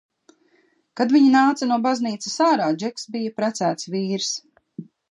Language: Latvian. Kad viņi nāca no baznīcas ārā, Džeks bija precēts vīrs.